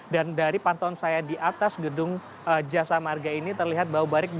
dan dari pantauan saya di atas gedung jasa marga ini terlihat bahwa